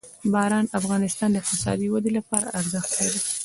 باران د افغانستان د اقتصادي ودې لپاره ارزښت لري.